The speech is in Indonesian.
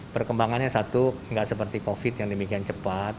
perkembangannya satu nggak seperti covid yang demikian cepat